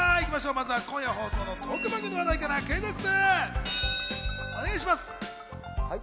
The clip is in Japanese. まずは今夜放送のトーク番組の話題からクイズッス！